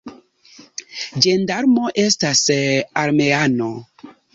Ĝendarmo estas armeano.